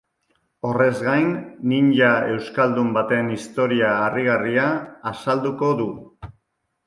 Horrez gain, ninja euskaldun baten istorio harrigarria azalduko du.